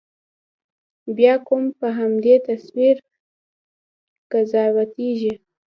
بیا قوم په همدې تصویر قضاوتېږي.